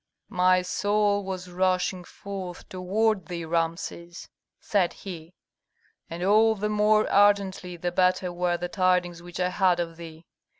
"My soul was rushing forth toward thee, Rameses," said he, "and all the more ardently the better were the tidings which I had of thee.